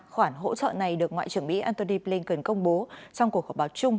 khoản hỗ trợ này được ngoại trưởng mỹ antony blinken công bố trong cuộc họp báo chung